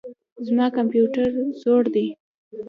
زما کمپيوټر زوړ دئ.